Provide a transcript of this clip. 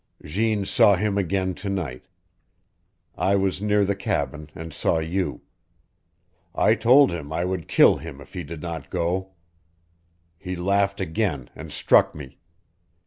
Jeanne saw him again to night. I was near the cabin, and saw you. I told him I would kill him if he did not go. He laughed again, and struck me.